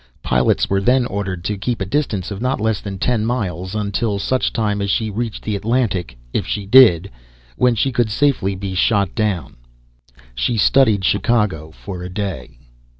Pilots were then ordered to keep a distance of not less than ten miles until such time as she reached the Atlantic if she did when she could safely be shot down. She studied Chicago for a day.